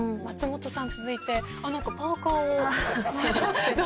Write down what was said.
松本さん続いてパーカを。